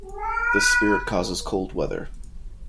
This spirit causes cold weather.